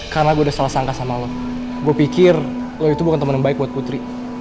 karena gue udah salah sangka sama lo gue pikir lo itu bukan temen yang baik buat putri